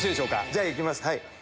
じゃあいきますはい。